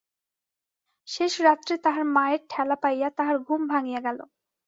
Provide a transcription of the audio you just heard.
শেষ রাত্রে তাহার মায়ের ঠেলা পাইয়া তাহার ঘুম ভাঙিয়া গেল!